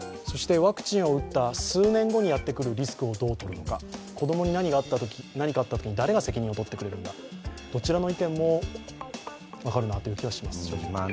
そしてワクチンを打った数年後にやってくるリスクをどうとるのか、子供に何かあったときに誰が責任をとってくれるんだ、どちらの意見も分かるなという感じはします、正直言うと。